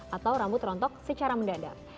atau rambut rontok secara mendadak